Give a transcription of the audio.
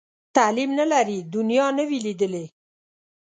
تعلیم نه لري، دنیا نه وي لیدلې.